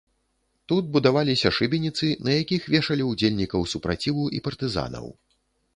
Тут будаваліся шыбеніцы, на якіх вешалі ўдзельнікаў супраціву і партызанаў.